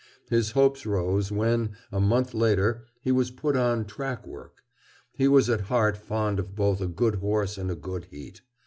His hopes rose, when, a month later, he was put on "track" work. He was at heart fond of both a good horse and a good heat.